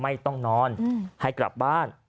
ไม่ต้องนอนให้กลับบ้าน